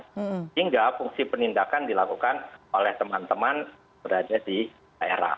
sehingga fungsi penindakan dilakukan oleh teman teman berada di daerah